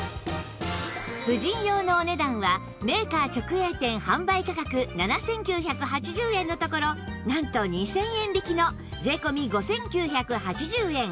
婦人用のお値段はメーカー直営店販売価格７９８０円のところなんと２０００円引きの税込５９８０円